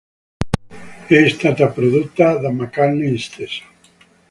È stata prodotta da McCartney stesso.